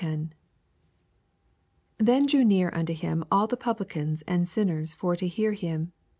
1—10. 1 Then drew near nnto him all the Pablioans and Binners for to hear him.